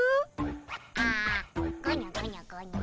あごにょごにょごにょ。